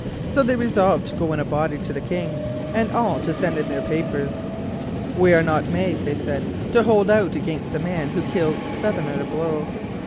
So they resolved to go in a body to the King, and all to send in their papers. "We are not made," they said. "to hold out against a man who kills seven at a blow."